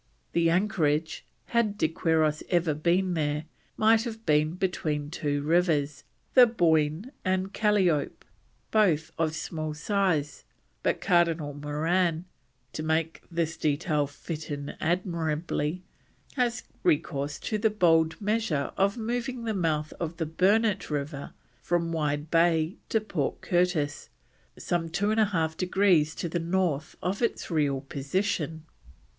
The anchorage, had De Quiros ever been there, might have been between two rivers, the Boyne and Calliope (both of small size), but Cardinal Moran, to make this detail "fit in admirably", has recourse to the bold measure of moving the mouth of the Burnett River from Wide Bay to Port Curtis some 2 1/2 degrees to the north of its real position.